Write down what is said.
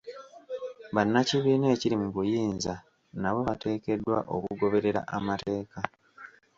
Bannakibiina ekiri mu buyinza nabo bateekeddwa okugoberera amateeka.